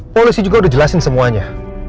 polisi juga udah jelasin semuanya